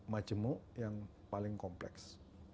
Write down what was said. majemuk yang paling kompleks